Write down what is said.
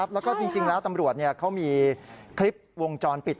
แล้วก็จริงแล้วตำรวจเขามีคลิปวงจรปิด